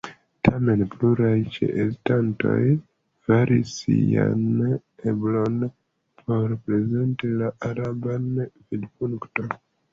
Tamen pluraj ĉeestantoj faris sian eblon por prezenti la araban vidpunkton.